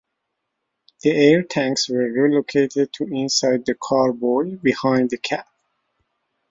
The air tanks were relocated to inside the carbody behind the cab.